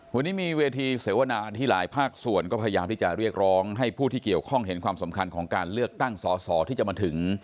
วันนี้มีเวทีเสวนาที่หลายภาคส่วนก็พยายามที่จะเรียกร้องให้ผู้ที่เกี่ยวข้องเห็นความสำคัญของการเลือกตั้งสอสอที่จะมาถึง